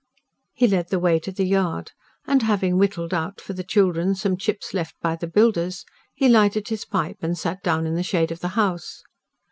He led the way to the yard; and having whittled out for the children some chips left by the builders, he lighted his pipe and sat down in the shade of the house.